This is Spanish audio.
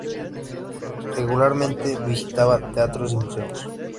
Regularmente visitaba teatros y museos.